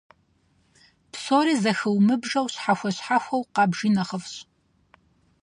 Псори зэхыумыбжэу, щхьэхуэ-щхьэхуэу къэбжи нэхъыфӏщ.